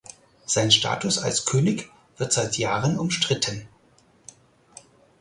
Sein Status als König wird seit Jahren umstritten.